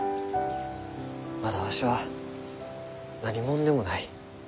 まだわしは何者でもない。